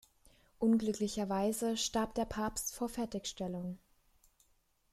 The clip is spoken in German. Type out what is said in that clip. Unglücklicherweise starb der Papst vor Fertigstellung.